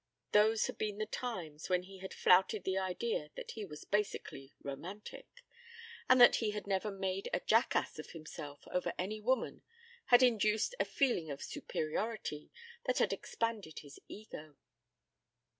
Those had been the times when he had flouted the idea that he was basically romantic; and that he had never made a jackass of himself over any woman had induced a feeling of superiority that had expanded his ego.